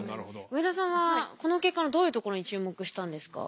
上田さんはこの結果のどういうところに注目したんですか？